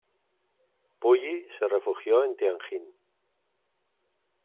Puyi se refugió en Tianjin.